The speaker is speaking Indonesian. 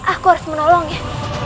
aku harus menolongnya